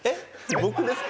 僕ですか？